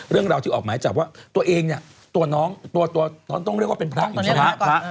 เรื่องที่ออกหมายจับว่าตัวเองเนี่ยตัวน้องต้องเรียกว่าเป็นพระพระพระ